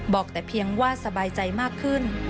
บอกแต่เพียงว่าสบายใจมากขึ้น